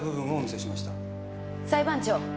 裁判長。